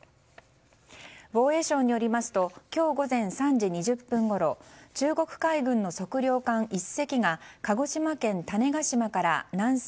防衛省によりますと今日午前３時２０分ごろ中国海軍の測量艦１隻が鹿児島県種子島から南西